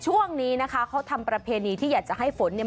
ช่วงนี้นะคะเขาทำประเพณีที่อยากจะให้ฝนเนี่ย